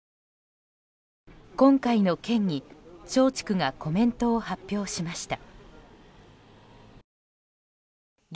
今回の件に松竹がコメントを発表しました。